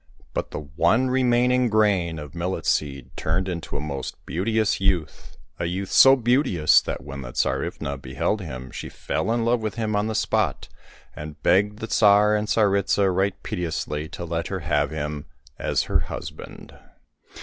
But the one remaining grain of millet seed turned into a most beauteous youth, a youth so beauteous that when the Tsarivna beheld him she fell in love with him on the spot, and begged the Tsar and Tsaritsa right piteously to let her have him as her husband.